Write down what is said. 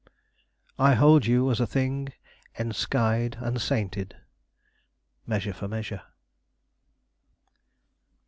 "I hold you as a thing enskied and sainted." Measure for Measure.